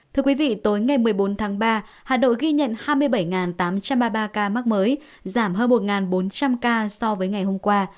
thưa quý vị tối ngày một mươi bốn tháng ba hà nội ghi nhận hai mươi bảy tám trăm ba mươi ba ca mắc mới giảm hơn một bốn trăm linh ca so với ngày hôm qua